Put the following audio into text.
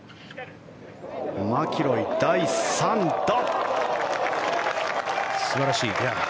マキロイ、第３打。素晴らしい。